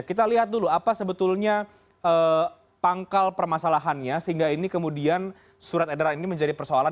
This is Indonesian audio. kita lihat dulu apa sebetulnya pangkal permasalahannya sehingga ini kemudian surat edaran ini menjadi persoalan